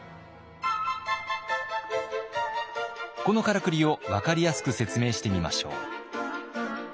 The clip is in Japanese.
このカラクリを分かりやすく説明してみましょう。